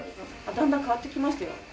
だんだん変わってきましたよ。